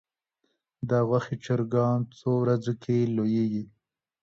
د غوښې چرګان څو ورځو کې لویږي؟